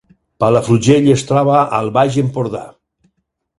Palafrugell es troba al Baix Empordà